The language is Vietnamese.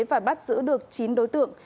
và bắt giữ được chín đối tượng